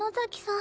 ん？